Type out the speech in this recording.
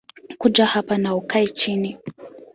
Kuja hapa na ukae chini